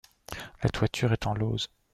La toiture est en lauze.